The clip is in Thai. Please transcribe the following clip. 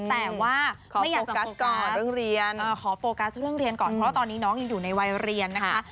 แต่ว่าขอโฟกัสเรื่องเรียนก่อนเพราะว่าตอนนี้น้องยังอยู่ในวัยเรียนนะคะ